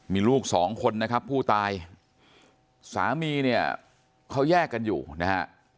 มีลูกสองคนนะครับผู้ตายสามีเนี่ยเขาแยกกันอยู่นะฮะ